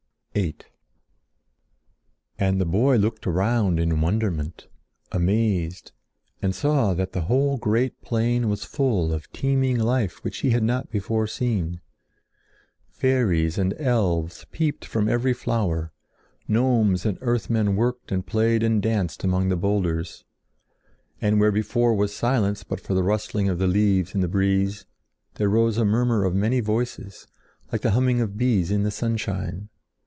VIII And the boy looked around in wonderment, amazed, and saw that the whole great plain was full of teeming life which he had not before seen. Fairies and elves peeped from every flower, gnomes and earthmen worked and played and danced among the boulders. And where before was silence but for the rustling of the leaves in the breeze, there rose a murmur of many voices, like the humming of bees in the sunshine.